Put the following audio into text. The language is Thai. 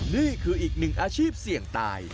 นี่คืออีกหนึ่งอาชีพเสี่ยงตาย